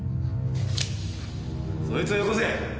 そいつをよこせ！